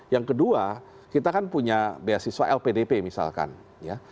yang kedua kita kan punya beasiswa lpdp misalkan ya